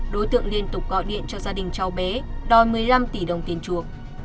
đối tượng liên tục gọi điện cho gia đình cháu bé đòi một mươi năm tỷ đồng tiền chuộc